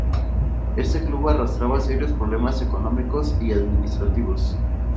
Este club arrastraba serios problemas económicos y administrativos.